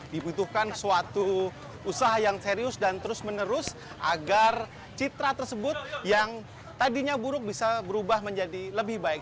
dibutuhkan suatu usaha yang serius dan terus menerus agar citra tersebut yang tadinya buruk bisa berubah menjadi lebih baik